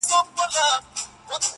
که هرڅو صاحب د علم او کمال یې,